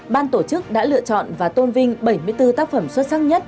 ban tổ chức đã lựa chọn và tôn vinh bảy mươi bốn tác phẩm xuất sắc nhất